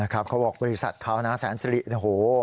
เขาบอกบริษัทเขานะแสนสิริโอ้โห